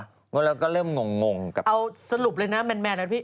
แล้วเราก็เริ่มงงกับเอาสรุปเลยนะแมนแล้วพี่